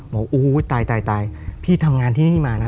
บอกโอ้โหตายตายพี่ทำงานที่นี่มานะ